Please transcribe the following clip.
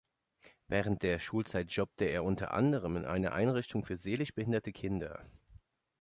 Während der Schulzeit jobbte er unter anderem in einer Einrichtung für seelisch behinderte Kinder.